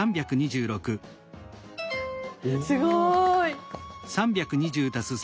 すごい。